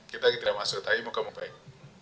kita tidak masuk tapi moga moga baik